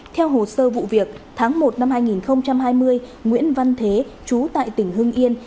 theo hồ sơ vụ việc tháng một năm hai nghìn hai mươi nguyễn văn thế chú tại tỉnh hưng yên